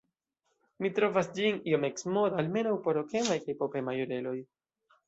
Mi trovas ĝin iom eksmoda, almenaŭ por rokemaj kaj popemaj oreloj.